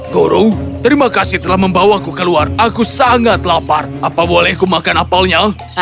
guru terima kasih telah membawaku keluar aku sangat lapar apa boleh aku makan apalnya